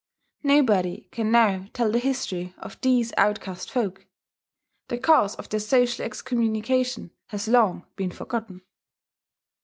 Nobody can now tell the history of these outcast folk: the cause of their social excommunication has long been forgotten.